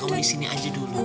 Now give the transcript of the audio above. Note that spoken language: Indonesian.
kamu disini aja dulu